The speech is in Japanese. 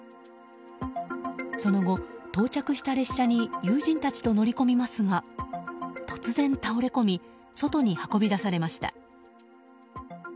その後、到着した列車に友人たちと乗り込みますが突然倒れ込み外に運び出されました。